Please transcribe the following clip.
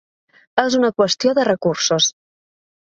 És una qüestió de recursos.